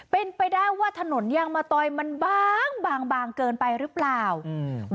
เป็นไปได้ว่าถนนยางมะตอยมันบางบางบางเกินไปหรือเปล่าอืม